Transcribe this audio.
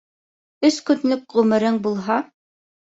Өс көнлөк ғүмерең булһа